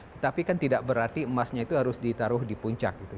tetapi kan tidak berarti emasnya itu harus ditaruh di puncak gitu